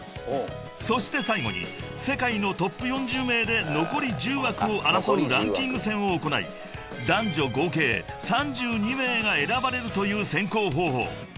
［そして最後に世界のトップ４０名で残り１０枠を争うランキング戦を行い男女合計３２名が選ばれるという選考方法］